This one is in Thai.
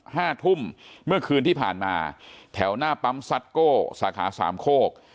ห้าทุ่มเมื่อคืนที่ผ่านมาแถวหน้าปั๊มซัดโก้สาขาสามโคก